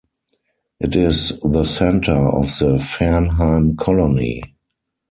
It is the centre of the Fernheim Colony.